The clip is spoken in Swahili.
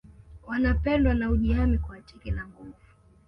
Wanapendwa na hujihami kwa teke la nguvu